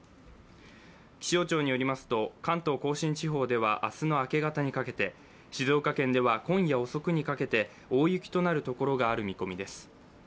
気象庁によりますと関東甲信地方では明日の明け方にかけて、静岡県では今夜遅くにかけて大雪となるところがある見込みです。